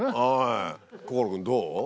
心君どう？